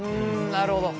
なるほど。